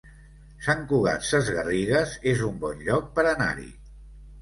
Sant Cugat Sesgarrigues es un bon lloc per anar-hi